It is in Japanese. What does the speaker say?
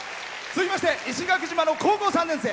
続きまして石垣島の高校３年生。